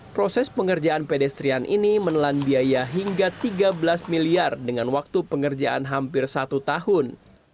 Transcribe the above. proses pengerjaan pedestrian ini menelan biaya hingga tiga belas miliar dengan waktu pengerjaan hampir satu tahun